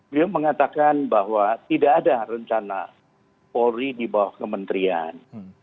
beliau mengatakan bahwa tidak ada rencana polri di bawah kementerian